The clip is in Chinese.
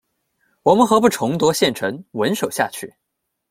我们何不重夺县城稳守下去？